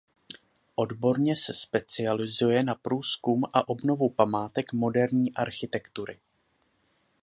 Odborně se specializuje na průzkum a obnovu památek moderní architektury.